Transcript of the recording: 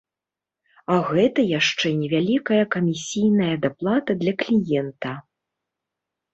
А гэта яшчэ невялікая камісійная даплата для кліента.